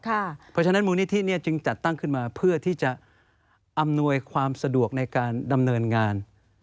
เพราะฉะนั้นมูลนิธิจึงจัดตั้งขึ้นมาเพื่อที่จะอำนวยความสะดวกในการดำเนินงาน